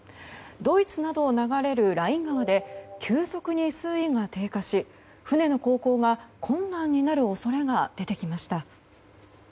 ドイツなどを流れるライン川で急速に水位が低下し船の航行が困難になる恐れが出てきました。